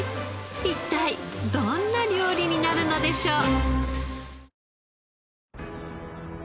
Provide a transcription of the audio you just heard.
一体どんな料理になるのでしょう？